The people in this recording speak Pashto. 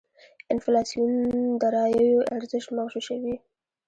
انفلاسیون داراییو ارزش مغشوشوي.